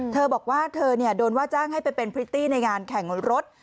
เธอบอกว่าเธอโดนว่าจ้างให้ไปเป็นพริตตี้ในงานแข่งรถ